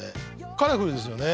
カラフルですよね